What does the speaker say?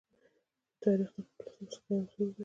تاریخ د خپل ولس د موسیقي انځور دی.